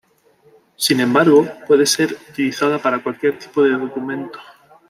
Sin embargo, puede ser utilizada para cualquier tipo de documento.